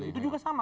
itu juga sama